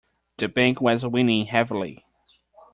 The bank was winning heavily.